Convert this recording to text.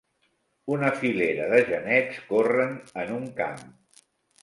Una filera de genets corren en un camp.